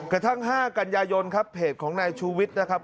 กระทั่ง๕กันยายนครับเพจของนายชูวิทย์นะครับ